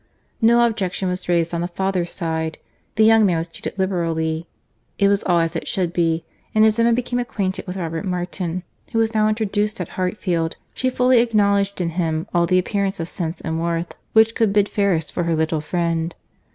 No objection was raised on the father's side; the young man was treated liberally; it was all as it should be: and as Emma became acquainted with Robert Martin, who was now introduced at Hartfield, she fully acknowledged in him all the appearance of sense and worth which could bid fairest for her little friend.